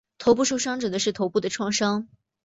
头部受伤是指头部的创伤。